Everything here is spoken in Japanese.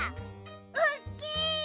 おっきい！